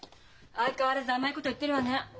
相変わらず甘いこと言ってるわね。